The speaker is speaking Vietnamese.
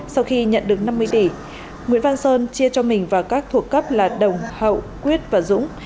sau khi nhận được năm mươi tỷ nguyễn văn sơn chia cho mình vào các thuộc cấp là đồng hậu quyết và dũng